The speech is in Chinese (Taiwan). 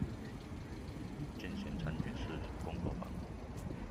進行參與式工作坊